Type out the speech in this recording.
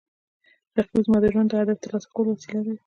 رقیب زما د ژوند د هدف ترلاسه کولو وسیله ده